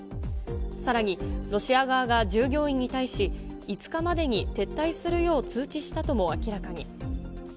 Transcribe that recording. さらに、ロシア側が従業員に対し、５日までに撤退するよう通知したとも明らかに。